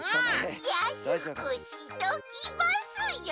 やすくしときますよ！